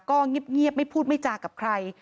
ก็เงียบไม่พูดไม่จากับใคร